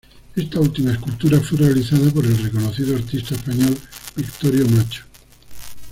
Esta última escultura fue realizada por el reconocido artista español Victorio Macho.